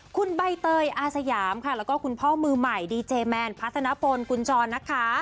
คุณใบเตยอาสยามค่ะแล้วก็คุณพ่อมือใหม่ดีเจแมนพัฒนพลคุณจรนะคะ